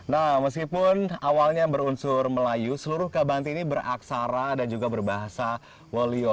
nah meskipun awalnya berunsur melayu seluruh kabanti ini beraksara dan juga berbahasa wolio